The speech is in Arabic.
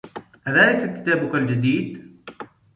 أذلك كتابك الجديد؟